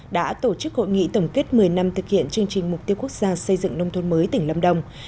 đã tổ chức hội nghị tổng kết một mươi năm thực hiện chương trình mục tiêu quốc gia xây dựng nông thôn mới tỉnh lâm đồng